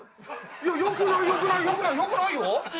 よくないよくないよくないよくないよ。